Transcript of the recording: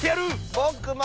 ぼくも！